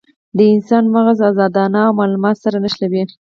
د انسان مغز ازادانه مالومات سره نښلوي.